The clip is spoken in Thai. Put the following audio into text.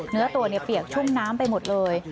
เนื้อตัวเปียกชุ่มน้ำไปหมดเลย